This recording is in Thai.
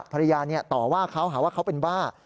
ภรรยาต่อว่าเขาหาว่าเขาเป็นบ้า